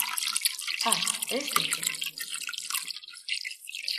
¡Ah!, ¿é distinto?